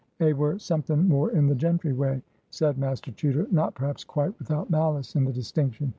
A were somethin' more in the gentry way," said Master Chuter, not, perhaps, quite without malice in the distinction.